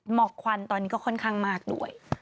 หมอกควันตอนนี้ก็ค่อนข้างมากด้วย